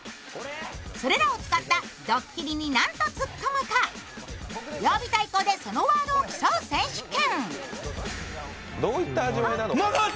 それらを使った、どっきりになんとツッコむか、曜日対抗でそのワードを競う選手権。